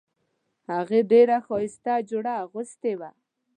هغې ډیره ښایسته جوړه اغوستې وه